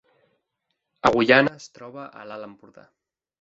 Agullana es troba a l’Alt Empordà